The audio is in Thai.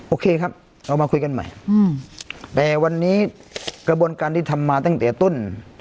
โอเคครับเรามาคุยกันใหม่แต่วันนี้กระบวนการที่ทำมาตั้งแต่ต้น